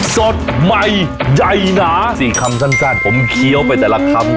สดใหม่ใหญ่หนาสี่คำสั้นผมเคี้ยวไปแต่ละคำ